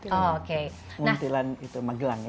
di kalimuntilan itu magelang ya